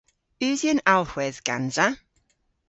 Usi an alhwedh gansa?